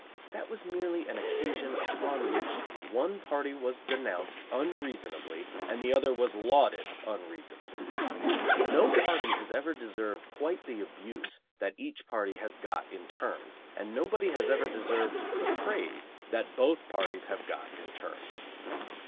That was merely an occasion upon which one party was denounced unreasonably and the other was lauded unreasonably. No party has ever deserved quite the abuse that each party has got in turn, and nobody has ever deserved the praise that both parties have got in turn.